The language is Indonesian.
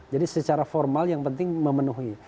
jadi secara formal yang penting memenuhi